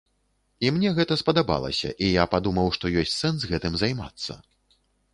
І мне гэта спадабалася, і я падумаў, што ёсць сэнс гэтым займацца.